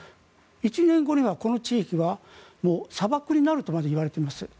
１年後にはこの地域は砂漠になるとまで言われています。